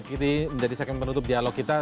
baik ini menjadi sekian penutup dialog kita